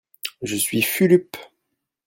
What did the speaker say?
Je suis Fulup.